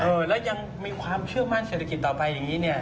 แล้วยังมีความเชื่อมั่นเศรษฐกิจต่อไปอย่างนี้เนี่ย